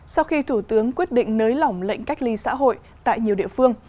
sau khi thủ tướng quyết định nới lỏng lệnh cách ly xã hội tại nhiều địa phương